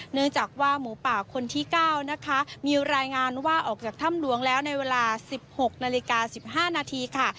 เนื่องจากว่าหมูป่าคนที่๙นะคะมีรายงานว่าออกจากถ้ำหลวงแล้วในเวลา๑๖นาฬิกา๑๕นาทีค่ะ